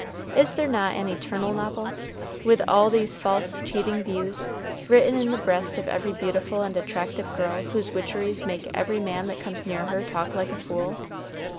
Is there not an eternal novel, with all these false, cheating views, written in the breast of every beautiful and attractive girl whose witcheries make every man that comes near her talk like a fool?